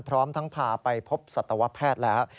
พร้อมทั้งพาไปพบสัตวแพทย์แล้ว